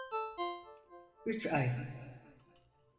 Üç ay.